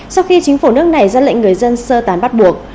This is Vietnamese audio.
sau khi chính phủ nước này ra lệnh người dân sơ tán bắt buộc